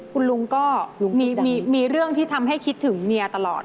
คุณลุงก็มีเรื่องที่ทำให้คิดถึงเมียตลอด